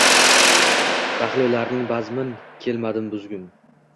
Baxtlilarning bazmin kelmadi buzgim